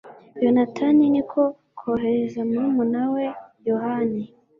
yonatani ni ko kohereza murumuna we yohani